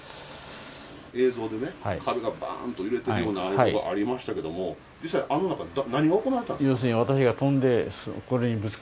映像でね、壁がばーんと揺れてるようなのありましたけど、実際あの中で何が行われてたんですか。